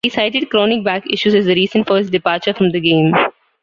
He cited chronic back issues as the reason for his departure from the game.